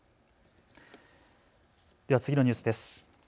では次のニュースです。